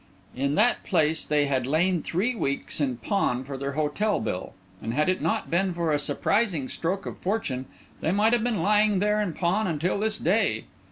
In that place they had lain three weeks in pawn for their hotel bill, and had it not been for a surprising stroke of fortune they might have been lying there in pawn until this day.